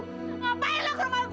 ngapain lo ke rumah gue